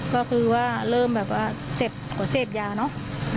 ก็คือว่าเริ่มแบบว่าเซ็บอ๋อเซ็บยาเนอะ